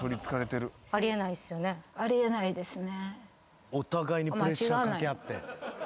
あり得ないですね。